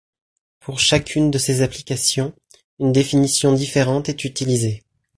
Pour chacune de ces applications, une définition différente est utilisée.